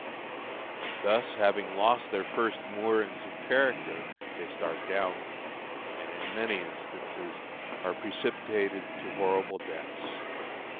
Thus having lost their first moorings of character, they start downward, and in many instances are precipitated to horrible depths.